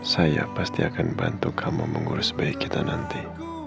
saya pasti akan bantu kamu mengurus bayi kita nanti